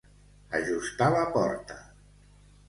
Ajustar la porta.